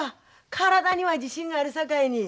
体には自信があるさかいに。